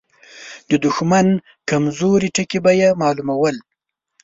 د دښمن کمزوري ټکي به يې مالومول.